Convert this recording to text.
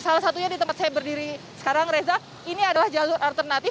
sampai saya berdiri sekarang reza ini adalah jalur alternatif